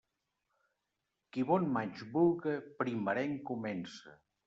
Qui bon maig vulga, primerenc comence.